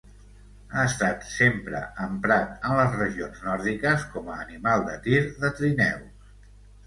Ha estat sempre emprat en les regions nòrdiques com a animal de tir de trineus.